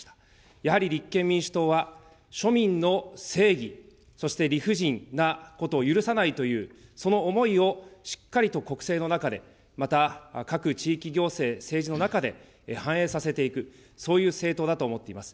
やはり立憲民主党は庶民の正義、そして理不尽なことを許さないという、その思いをしっかりと国政の中で、また各地域行政、政治の中で反映させていく、そういう政党だと思っています。